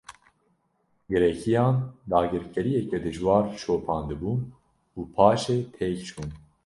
Grekiyan, dagirkeriyeke dijwar şopandibûn û paşê têk çûn